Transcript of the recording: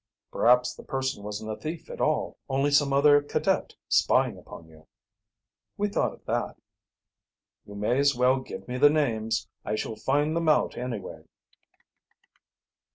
"Perhaps the person wasn't a thief at all, only some other cadet spying upon you." "We thought of that." "You may as well give me the names. I shall find them out anyway."